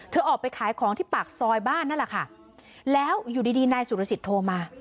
ออกไปขายของที่ปากซอยบ้านนั่นแหละค่ะแล้วอยู่ดีดีนายสุรสิทธิ์โทรมา